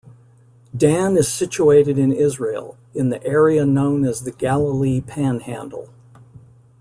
Dan is situated in Israel, in the area known as the Galilee Panhandle.